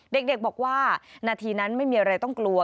เด็กบอกว่านาทีนั้นไม่มีอะไรต้องกลัว